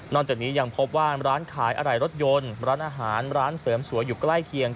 จากนี้ยังพบว่าร้านขายอะไหล่รถยนต์ร้านอาหารร้านเสริมสวยอยู่ใกล้เคียง